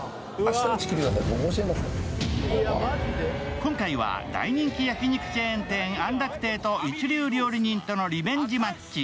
今回は大人気焼肉チェーン店安楽亭と一流料理人とのリベンジマッチ。